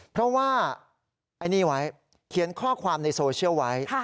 เพราะว่าไอ้นี่ไว้เขียนข้อความในโซเชียลไว้